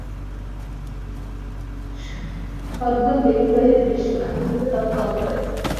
সগুণ ব্যক্তি বাহিরে দৃশ্যমান, প্রকৃত তত্ত্ব অন্তরে।